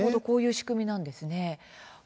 こういう仕組みなんですね。